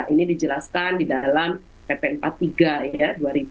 ini dijelaskan di dalam pp empat puluh tiga ya